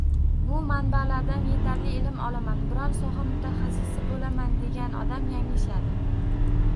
Bu manbalardan yetarli ilm olaman, biron soha mutaxassisi bo‘laman, degan odam yanglishadi.